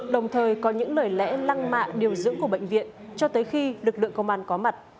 đồng thời có những lời lẽ lăng mạ điều dưỡng của bệnh viện cho tới khi lực lượng công an có mặt